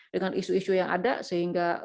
dengan isu isu yang ada sehingga